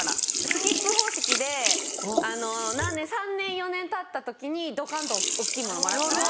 スキップ方式で３年４年たった時にドカンと大っきいものもらおっかなって。